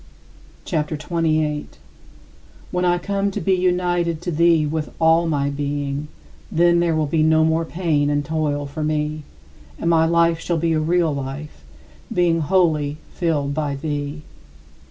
CHAPTER XXVIII 39. When I come to be united to thee with all my being, then there will be no more pain and toil for me, and my life shall be a real life, being wholly filled by thee.